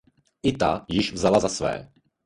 I ta již vzala za své.